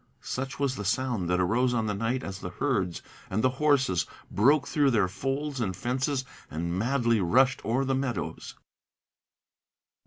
Such was the sound that arose on the night, as the herds and the horses Broke through their folds and fences, and madly rushed o'er the meadows.